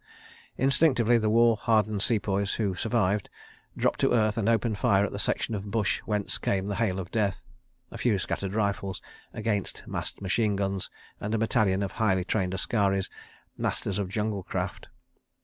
Instinctively the war hardened Sepoys who survived dropped to earth and opened fire at the section of bush whence came the hail of death—a few scattered rifles against massed machine guns and a battalion of highly trained askaris, masters of jungle craft.